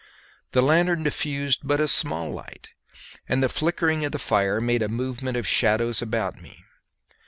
The lanthorn diffused but a small light, and the flickering of the fire made a movement of shadows about me.